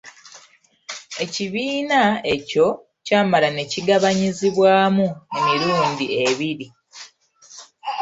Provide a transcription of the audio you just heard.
Ekibiina ekyo kyamala ne kigabanyizibwamu emirundi ebiri.